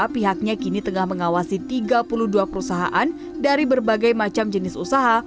pihaknya kini tengah mengawasi tiga puluh dua perusahaan dari berbagai macam jenis usaha